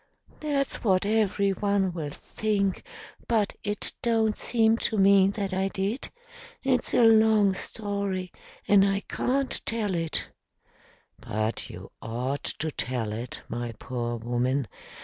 "That's what everyone will think, but it don't seem to me that I did. It's a long story, and I can't tell it." "But you ought to tell it, my poor woman.